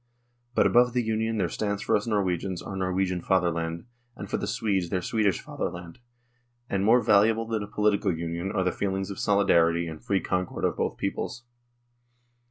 " But above the Union there stands for us Norwegians our Norwegian fatherland, and for the Swedes their Swedish fatherland, and more valuable than a political union are the feelings of solidarity and free concord of both peoples.